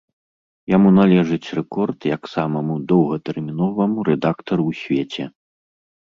Яму належыць рэкорд як самаму доўгатэрміноваму рэдактару ў свеце.